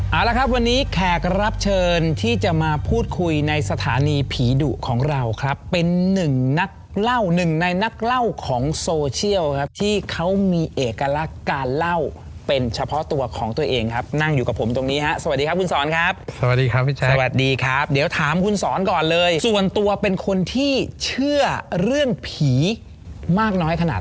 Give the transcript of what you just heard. เอาละครับวันนี้แขกรับเชิญที่จะมาพูดคุยในสถานีผีดุของเราครับเป็นหนึ่งนักเล่าหนึ่งในนักเล่าของโซเชียลครับที่เขามีเอกลักษณ์การเล่าเป็นเฉพาะตัวของตัวเองครับนั่งอยู่กับผมตรงนี้ฮะสวัสดีครับคุณสอนครับสวัสดีครับพี่แจ๊สวัสดีครับเดี๋ยวถามคุณสอนก่อนเลยส่วนตัวเป็นคนที่เชื่อเรื่องผีมากน้อยขนาด